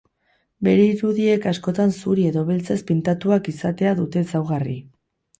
Bere irudiek askotan zuri edo beltzez pintatuak izatea dute ezaugarri.